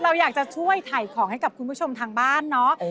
เราอยากจะช่วยถ่ายของให้กับคุณผู้ชมทางบ้านเนาะ